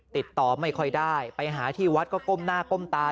ติดต่อไม่ค่อยได้ไปหาที่วัดก็ก้มหน้าก้มตา